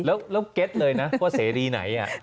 แล้วเก็ตเลยนะว่าเสรีไหน